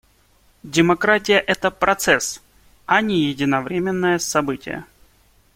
Демократия — это процесс, а не единовременное событие.